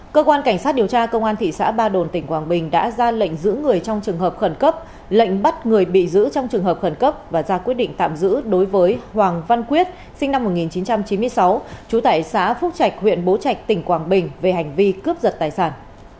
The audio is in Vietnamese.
cơ quan cảnh sát điều tra công an thị xã ba đồn tỉnh quảng bình đã ra lệnh giữ người trong trường hợp khẩn cấp lệnh bắt người bị giữ trong trường hợp khẩn cấp và ra quyết định tạm giữ đối với hoàng văn quyết sinh năm một nghìn chín trăm chín mươi sáu trú tại xã phúc trạch huyện bố trạch tỉnh quảng bình về hành vi cướp giật tài sản